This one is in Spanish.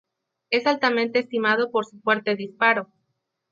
Es altamente estimado por su fuerte disparo.